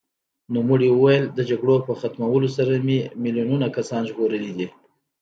نوموړي وویل، د جګړو په ختمولو سره مې میلیونونه کسان ژغورلي دي.